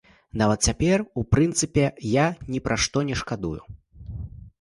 Нават цяпер, у прынцыпе, я ні пра што не шкадую.